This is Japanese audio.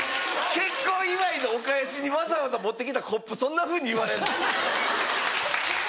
結婚祝いのお返しにわざわざ持ってきたコップそんなふうに言われるの？